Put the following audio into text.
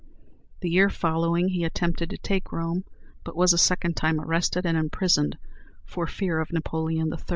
The year following he attempted to take Rome, but was a second time arrested and imprisoned for fear of Napoleon III.